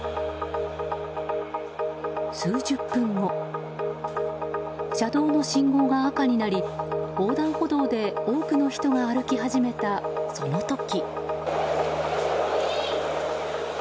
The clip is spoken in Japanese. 数十分後、車道の信号が赤になり横断歩道で多くの人が歩き始めた、その時。